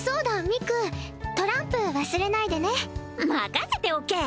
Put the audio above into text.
ミクトランプ忘れないでね任せておけ！